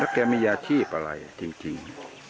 แล้วแกมียาชีพอะไรจริง